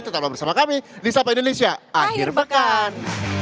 tetaplah bersama kami di sapa indonesia akhir pekan